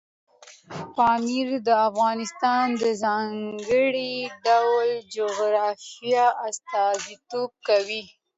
پامیر د افغانستان د ځانګړي ډول جغرافیه استازیتوب کوي.